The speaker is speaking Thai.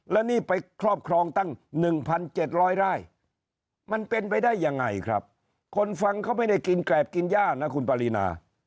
แล้วนี่ไปครอบครองตั้ง๑๗๐๐ไร่มันเป็นไปได้ยังไงครับคนฟังเขาไม่ได้กินแกรบกินย่านะคุณปรินา